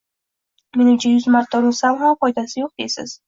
Menimcha yuz marta urunsam ham, foydasi yo‘q deysiz